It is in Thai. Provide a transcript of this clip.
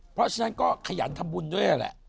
เพราะฉะนั้นก็ขยันทำบุญด้วยนั่นแหละ